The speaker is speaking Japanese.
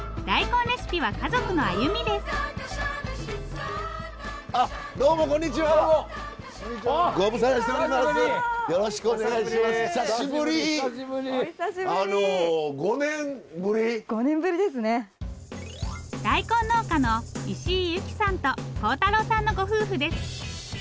大根農家の石井由貴さんと孝太郎さんのご夫婦です。